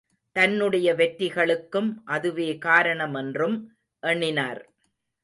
தன்னுடைய வெற்றிகளுக்கும் அதுவே காரணமென்றும் எண்ணினார்.